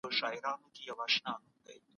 تاریخ د اوسني وخت په پوهېدو کې مرسته کوي.